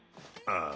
ああ。